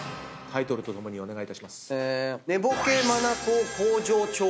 タイトルとともにお願いいたします。